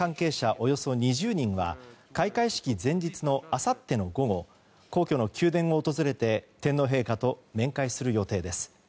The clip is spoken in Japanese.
およそ２０人は開会式前日のあさっての午後皇居の宮殿を訪れて天皇陛下と面会する予定です。